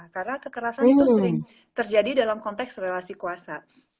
karena kekerasan itu sering terjadi dalam konteks relasi kuasa